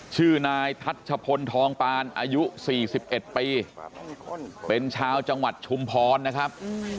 ชื่อนายทัชพลทองปานอายุ๔๑ปีเป็นชาวจังหวัดชุมพรนะครับ